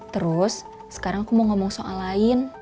terus sekarang aku mau ngomong soal lain